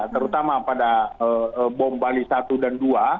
terutama pada bom bali satu dan dua